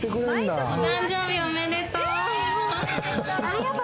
お誕生日おめでとう！